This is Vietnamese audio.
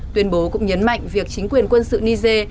tuyên bố cũng nhấn mạnh việc chính quyền quân sự niger